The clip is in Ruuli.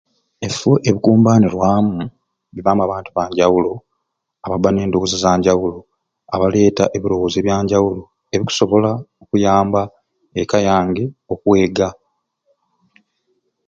Ebifo ebikumbanirwamu mubaamu abantu abanjawulo ababba ne ndowooza eza njawulo abaleeta ebirowoozo ebyanjawulo ebikusobola okuyamba eka yange okwega.